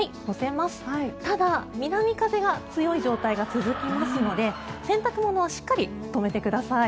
ただ、南風が強い状態が続きますので洗濯物はしっかり止めてください。